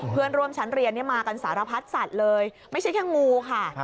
เพื่อนร่วมชั้นเรียนมากันสารพัดสัตว์เลยไม่ใช่แค่งูค่ะ